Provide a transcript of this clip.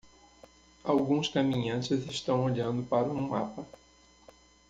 Alguns caminhantes estão olhando para um mapa.